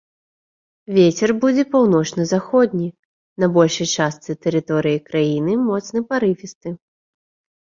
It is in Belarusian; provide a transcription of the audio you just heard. Вецер будзе паўночна-заходні, на большай частцы тэрыторыі краіны моцны парывісты.